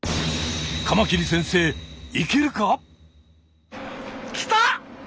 カマキリ先生いけるか！？来た！